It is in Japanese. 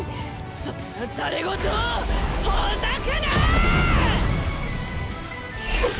そんなざれ言ほざくな！